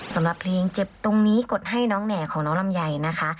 สำหรับเพลงเจ็บตรงนี้กดให้น้องแห่ของน้องลำไยนะคะ